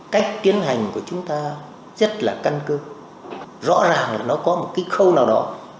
cách tiến hành của chúng ta rất là căn cơ rõ ràng là nó có một cái khâu nào đó